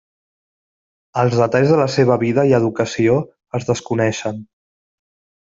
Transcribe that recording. Els detalls de la seva vida i educació es desconeixen.